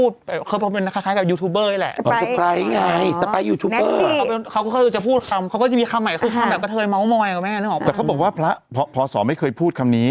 แต่เขาบอกว่าพระพศไม่เคยพูดคำนี้